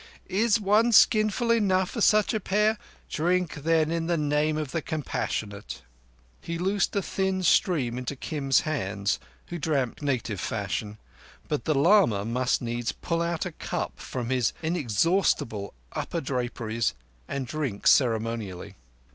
"Is one skinful enough for such a pair? Drink, then, in the name of the Compassionate." He loosed a thin stream into Kim's hands, who drank native fashion; but the lama must needs pull out a cup from his inexhaustible upper draperies and drink ceremonially.